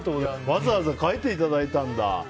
わざわざ描いていただいたんだ。